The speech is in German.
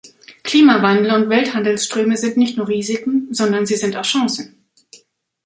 Klimawandel und Welthandelsströme sind nicht nur Risiken, sondern sie sind auch Chancen.